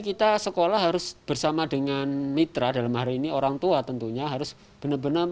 kita sekolah harus bersama dengan mitra dalam hari ini orang tua tentunya harus benar benar